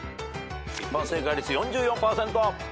一般正解率４４％。